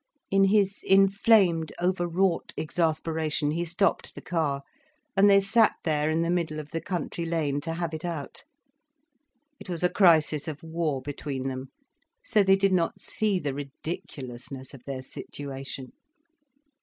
In his inflamed, overwrought exasperation, he stopped the car, and they sat there, in the middle of the country lane, to have it out. It was a crisis of war between them, so they did not see the ridiculousness of their situation.